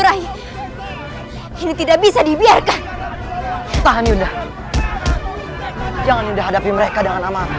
rai ini tidak bisa dibiarkan tahan udah jangan hadapi mereka dengan amarah